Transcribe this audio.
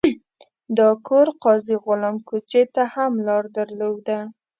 دا کور قاضي غلام کوڅې ته هم لار درلوده.